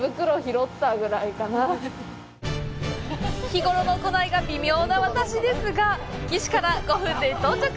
日頃の行いが微妙な私ですが岸から５分で到着！